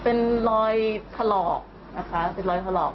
เป็นรอยถลอกนะคะเป็นรอยถลอก